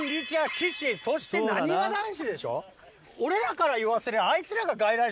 ・俺らから言わせりゃ。